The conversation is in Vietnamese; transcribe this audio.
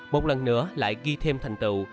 một lần nữa lại ghi thêm thành tựu